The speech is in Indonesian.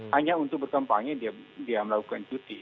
hanya untuk berkampanye dia melakukan cuti